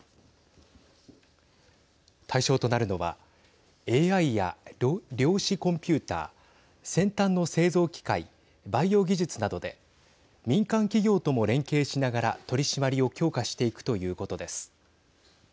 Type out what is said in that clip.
対象となるのはＡＩや量子コンピューター先端の製造機械バイオ技術などで民間企業とも連携しながら取締りを強化していくということです。